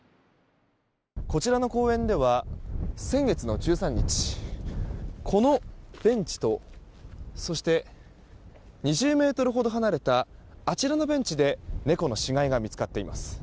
こちらの公園では先月の１３日このベンチと、そして２０ｍほど離れたあちらのベンチで猫の死骸が見つかっています。